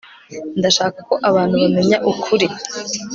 ndashaka ko abantu bamenya ukuri